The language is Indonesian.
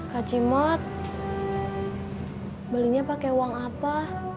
kak cimot belinya pakai uang apa